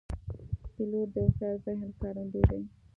پیلوټ د هوښیار ذهن ښکارندوی دی.